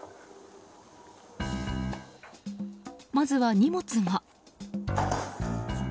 まずは荷物が。